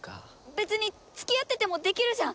別に付き合っててもできるじゃん！